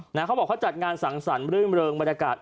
เขาบอกว่าเขาจัดงานสั่งสั่นเริ่มเริงบรรยากาศ